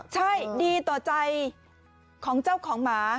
ใช่ดีต่อใจของเจ้าของหมา